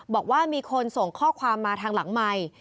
บอกว่ามีคนส่งข้อความมาทางหลังไมค์